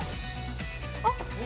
あっ。